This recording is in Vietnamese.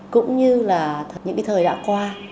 cũng như là những cái thời đã qua